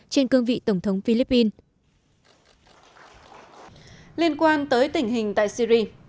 trên cương vị tổng thống philippines liên quan tới tình hình tại syri